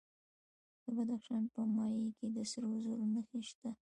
د بدخشان په مایمي کې د سرو زرو نښې شته.